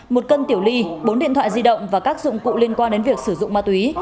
một cân tiểu ly bốn điện thoại di động và các dụng cụ liên quan đến việc sử dụng ma túy